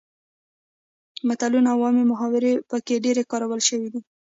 متلونه او عامې محاورې پکې ډیر کارول شوي دي